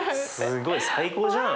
すごい。最高じゃん。